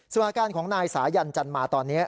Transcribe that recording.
ส่วนอาการของนายสายันจันมาตอนนี้